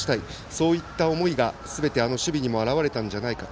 そういった思いがすべてあの守備にも表れたんじゃないか。